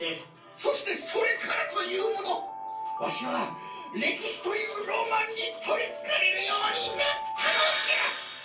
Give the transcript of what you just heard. そしてそれからというものワシはれきしというロマンにとりつかれるようになったのじゃ！